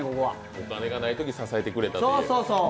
お金がないときに支えてくれたっていうね。